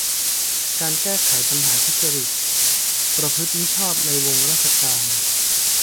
การแก้ไขปัญหาทุจริต ประพฤติมิชอบในวงราชการ